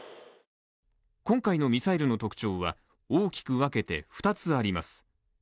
今回のミサイルの特徴は大きく分けて２つあります。